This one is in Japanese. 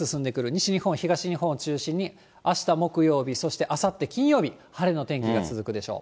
西日本、東日本を中心に、あした木曜日、そしてあさって金曜日、晴れの天気が続くでしょう。